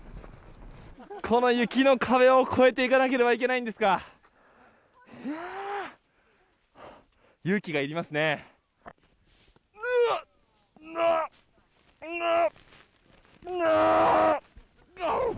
この雪の壁を越えていかなければいけないんですが勇気がいりますね。